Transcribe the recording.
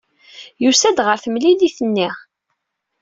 Yusa-d ɣer temlilit-nni.